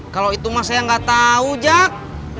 kalo itu mah saya ga tau jack